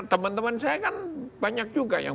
teman teman saya kan banyak juga yang